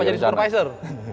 apa jadi supervisor